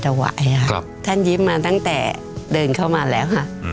ไปถวายครับครับท่านยิ้มมาตั้งแต่เดินเข้ามาแล้วค่ะอืม